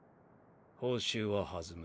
報酬は弾む。